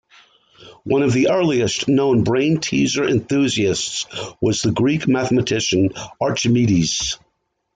One of the earliest known brain teaser enthusiasts was the Greek mathematician Archimedes.